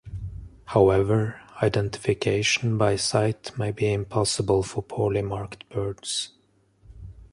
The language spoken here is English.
However, identification by sight may be impossible for poorly-marked birds.